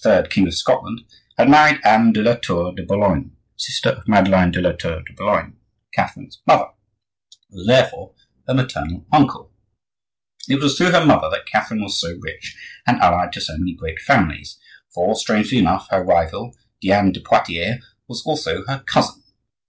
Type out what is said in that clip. king of Scotland, had married Anne de la Tour de Boulogne, sister of Madeleine de la Tour de Boulogne, Catherine's mother; he was therefore her maternal uncle. It was through her mother that Catherine was so rich and allied to so many great families; for, strangely enough, her rival, Diane de Poitiers, was also her cousin.